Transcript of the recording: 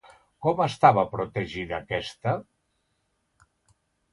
Com estava protegida aquesta?